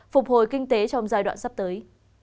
phục hồi kinh tế trong giai đoạn sắp tới